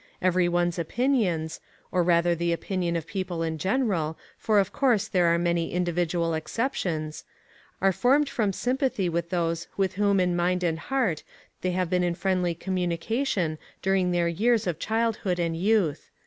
Every one's opinions or rather the opinion of people in general, for of course there are many individual exceptions are formed from sympathy with those with whom in mind and heart they have been in friendly communication during their years of childhood and youth.